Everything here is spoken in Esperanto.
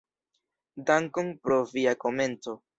Dankon pro via komento.